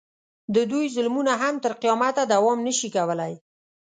د دوی ظلمونه هم تر قیامته دوام نه شي کولی.